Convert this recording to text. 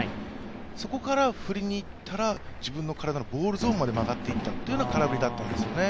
そこから振りにいったら、自分の体のボールゾーンまで曲がっていったという空振りだったんですよね